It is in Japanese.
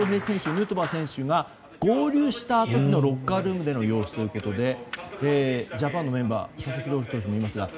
ヌートバー選手が合流した時のロッカールームでの様子ということでジャパンのメンバー佐々木朗希投手もいますが。